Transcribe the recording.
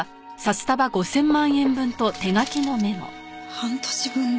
「半年分だ。